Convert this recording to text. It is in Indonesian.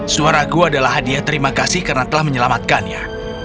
suara ku adalah hadiah terima kasih karena telah menyelamatkannya